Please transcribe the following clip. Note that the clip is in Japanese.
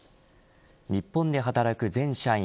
日本で働く全社員